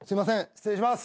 失礼します。